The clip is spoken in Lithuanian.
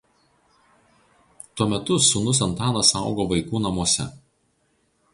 Tuo metu sūnus Antanas augo vaikų namuose.